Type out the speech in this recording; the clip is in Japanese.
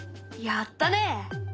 やったね！